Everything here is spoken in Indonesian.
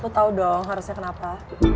lo tau dong harusnya kenapa